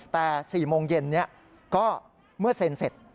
แต่๔โมงเย็นนี้ก็เมื่อเซ็นเสร็จ